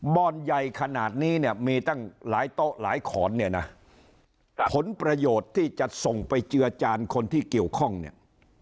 บ่อนใหญ่ขนาดนี้เนี่ยมีตั้งหลายโต๊ะหลายขอนเนี่ยนะผลประโยชน์ที่จะส่งไปเจือจานคนที่เกี่ยวข้องเนี่ย